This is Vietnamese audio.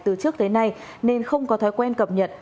từ trước tới nay nên không có thói quen cập nhật